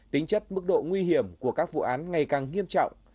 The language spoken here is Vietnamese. tính chất mức độ nguy hiểm của các vụ án ngày càng nghiêm trọng